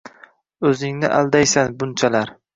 Oʻzingni aldaysan bunchalar